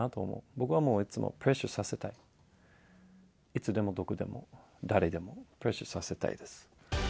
僕はいつもプレッシャーさせたい、いつでもどこでも誰でも、プレッシャーさせたいです。